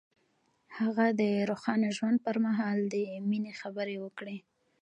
هغه د روښانه ژوند پر مهال د مینې خبرې وکړې.